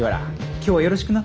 今日はよろしくな。